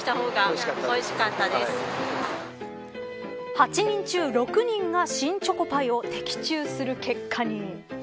８人中６人が新チョコパイを的中する結果に。